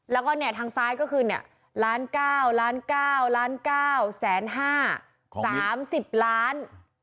แล้วก็เนี่ยทางซ้ายก็คือเนี่ยล้านก้าวล้านก้าวล้านก้าวแสนห้าสามสิบล้าน